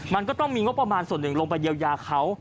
มันก็ต้องมีงบประมาณส่วนหนึ่งลงไปเยียวยาเขา